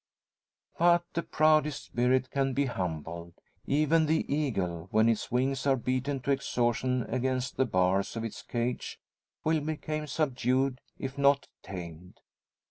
But the proudest spirit can be humbled. Even the eagle, when its wings are beaten to exhaustion against the bars of its cage, will became subdued, if not tamed.